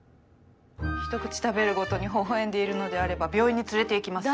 一口食べるごとに微笑んでいるのであれば病院に連れて行きます。